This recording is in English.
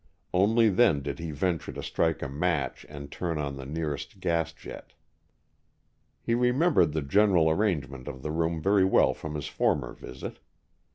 Only then did he venture to strike a match and to turn on the nearest gas jet. He remembered the general arrangement of the room very well from his former visit.